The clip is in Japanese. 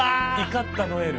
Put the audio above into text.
怒ったノエル！